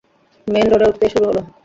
Main রোডে উঠতেই শুরু হল।